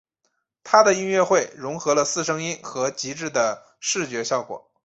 他的音乐会融合了四声音和精致的视觉效果。